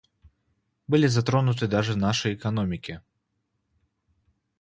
Были затронуты даже наши экономики.